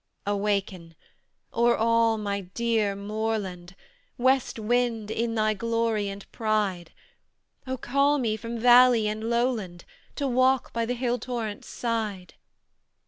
Awaken, o'er all my dear moorland, West wind, in thy glory and pride! Oh! call me from valley and lowland, To walk by the hill torrent's side!